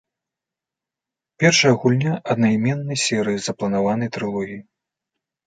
Першая гульня аднайменнай серыі з запланаванай трылогіі.